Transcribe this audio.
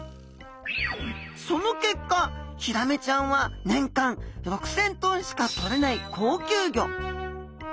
その結果ヒラメちゃんは年間６，０００トンしかとれない高級魚。